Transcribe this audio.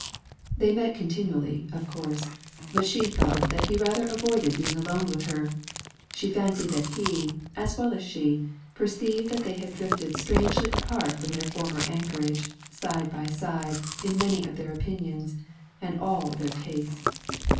They met, continually, of course, but she thought that he rather avoided being alone with her; she fancied that he, as well as she, perceived that they had drifted strangely apart from their former anchorage, side by side, in many of their opinions, and all their tastes.